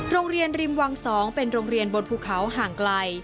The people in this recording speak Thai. ริมวัง๒เป็นโรงเรียนบนภูเขาห่างไกล